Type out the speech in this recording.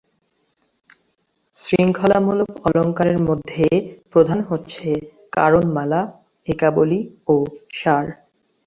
শৃঙ্খলামূলক অলঙ্কারের মধ্যে প্রধান হচ্ছে কারণমালা, একাবলি ও সার।